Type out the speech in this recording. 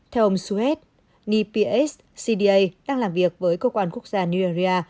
theo ông sued npscda đang làm việc với cơ quan quốc gia nigeria